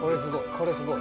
これすごい。